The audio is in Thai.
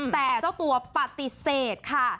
แต่เจ้าตัวปฏิเสธค่ะ